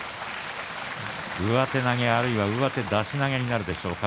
上手投げ、あるいは上手出し投げになるでしょうか。